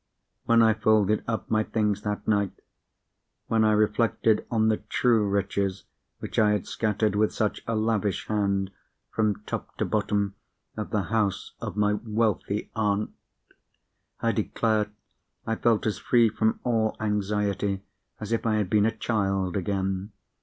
When I folded up my things that night—when I reflected on the true riches which I had scattered with such a lavish hand, from top to bottom of the house of my wealthy aunt—I declare I felt as free from all anxiety as if I had been a child again.